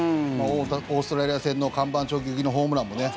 オーストラリア戦の看板直撃のホームランもね